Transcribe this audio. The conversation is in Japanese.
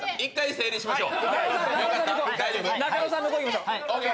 整理しましょう。